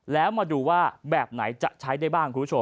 แล้วมาดูว่าแบบไหนจะใช้ได้บ้าง